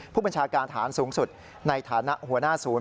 ผู้บัญชาการฐานสูงสุดในฐานะหัวหน้าศูนย์